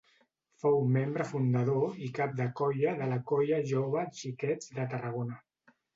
Fou membre fundador i cap de colla de la Colla Jove Xiquets de Tarragona.